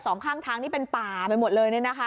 สองข้างทางนี่เป็นป่าไปหมดเลยเนี่ยนะคะ